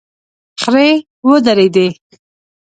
خرې ودرېدې.